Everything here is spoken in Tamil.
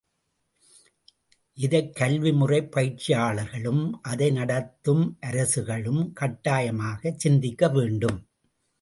இதைக் கல்வி முறைப் பயிற்சியாளர்களும் அதை நடத்தும் அரசுகளும் கட்டாயமாகச் சிந்திக்க வேண்டும்.